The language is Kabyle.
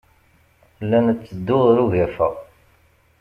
La netteddu ɣer ugafa.